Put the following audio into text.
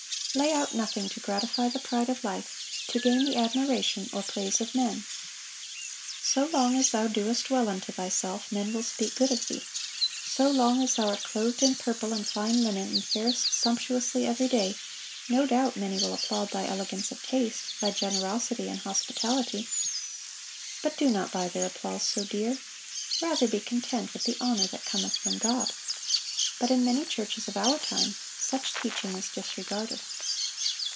Lay out nothing to gratify the pride of life, to gain the admiration or praise of men.... 'So long as thou doest well unto thyself, men will speak good of thee.' So long as thou art 'clothed in purple and fine linen, and farest sumptuously every day,' no doubt many will applaud thy elegance of taste, thy generosity and hospitality. But do not buy their applause so dear. Rather be content with the honor that cometh from God."(638) But in many churches of our time, such teaching is disregarded.